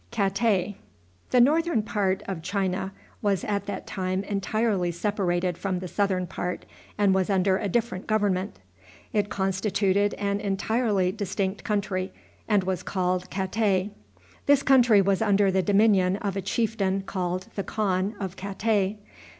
The northern part of China was at that time entirely separated from the southern part, and was under a different government. It constituted an entirely distinct country, and was called Katay.[A] This country was under the dominion of a chieftain called the Khan of Katay.